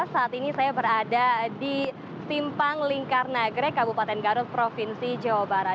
saat ini saya berada di simpang lingkar nagrek kabupaten garut provinsi jawa barat